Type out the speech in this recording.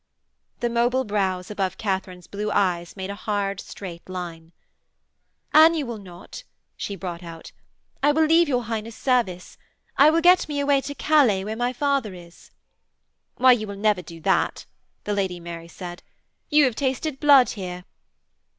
The mobile brows above Katharine's blue eyes made a hard straight line. 'An you will not,' she brought out, 'I will leave your Highness' service. I will get me away to Calais, where my father is.' 'Why, you will never do that,' the Lady Mary said; 'you have tasted blood here.'